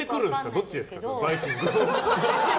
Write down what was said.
どっちですか、バイキングを。